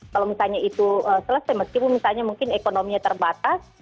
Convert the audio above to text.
kalau misalnya itu selesai meskipun misalnya mungkin ekonominya terbatas